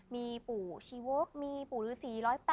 มีปู่ชีวกมีปู่ฤษี๑๐๘